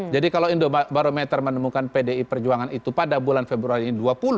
kalau indobarometer menemukan pdi perjuangan itu pada bulan februari ini dua puluh